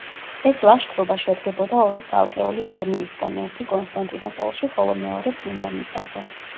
ეს ლაშქრობა შედგებოდა ორი ცალკეული არმიისგან: ერთი კონსტანტინოპოლში, ხოლო მეორე წმინდა მიწაზე.